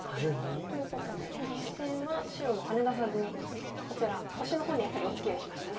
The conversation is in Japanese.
ということで実戦は白もハネ出さずにこちらオシの方にやっぱりおつきあいしましたね。